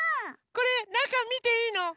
これなかみていいの？いいよ！